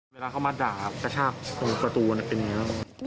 เวลาเข้ามาด่ากระชากประตูเป็นอย่างนี้